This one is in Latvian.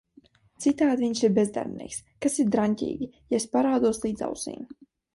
Citādi viņš ir bezdarbnieks - kas ir draņķīgi, ja esi parādos līdz ausīm…